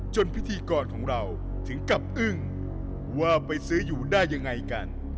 พิธีกรของเราถึงกับอึ้งว่าไปซื้ออยู่ได้ยังไงกัน